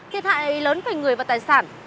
thiệt hại lớn về người và tài sản